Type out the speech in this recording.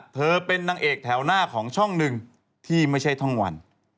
เธอเป็นนางเอกแถวหน้าของช่องหนึ่งที่ไม่ใช่ช่องวัน